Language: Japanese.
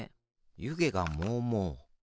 ゆげがもうもう。